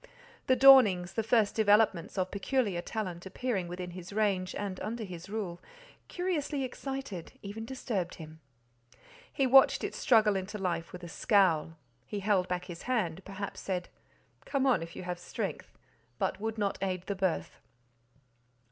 The dawnings, the first developments of peculiar talent appearing within his range, and under his rule, curiously excited, even disturbed him. He watched its struggle into life with a scowl; he held back his hand—perhaps said, "Come on if you have strength," but would not aid the birth.